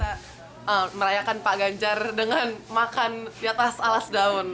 kita merayakan pak ganjar dengan makan di atas alas daun